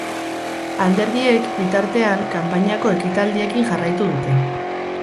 Alderdiek, bitartean, kanpainako ekitaldiekin jarraitu dute.